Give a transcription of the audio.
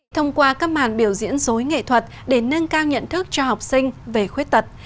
thông qua các màn biểu diễn dối nghệ thuật để nâng cao nhận thức cho học sinh về khuyết tật